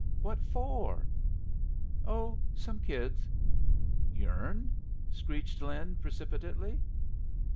What for?" "Oh, some kids." "Yourn?" screeched Lin, precipitately.